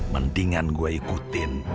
mendingan gue ikutin